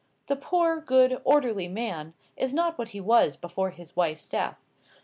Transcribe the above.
(The poor, good, orderly man is not what he was before his wife's death.)